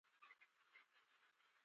هره ورځ یوه نوې پیل دی.